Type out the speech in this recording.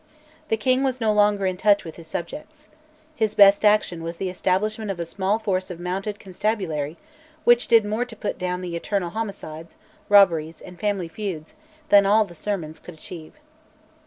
The king was no longer in touch with his subjects. His best action was the establishment of a small force of mounted constabulary which did more to put down the eternal homicides, robberies, and family feuds than all the sermons could achieve.